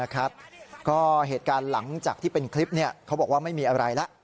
ก็เหตุการณ์หลังจากที่เป็นคลิปเขาบอกว่าไม่มีอะไรแล้ว